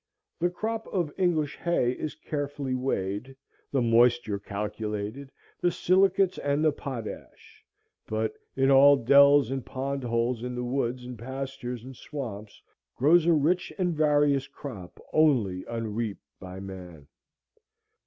The crop of English hay is carefully weighed, the moisture calculated, the silicates and the potash; but in all dells and pond holes in the woods and pastures and swamps grows a rich and various crop only unreaped by man.